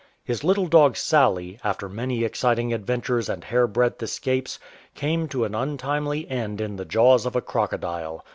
His little dog Sally, after many exciting adventures and hairbreadth escapes, came to an untimely end in the jaws of a crocodile.